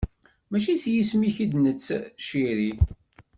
Mačči s yisem-ik i d-nettciri?